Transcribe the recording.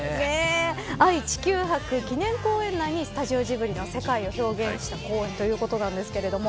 愛・地球博記念公園の中にスタジオジブリの世界を表現した公園ということです。